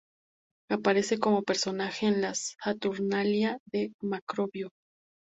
Aparece como personaje en las "Saturnalia" de Macrobio.